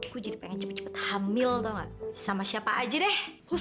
gue jadi pengen cepet cepet hamil tau nggak sama siapa aja deh